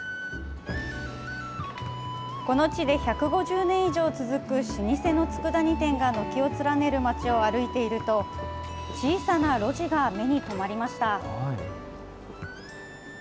この地で１５０年以上続く老舗のつくだ煮店が軒を連ねる町を歩いていると、小さな路地が目に留まりました。